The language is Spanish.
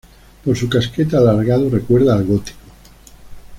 Por su casquete alargado recuerda al gótico.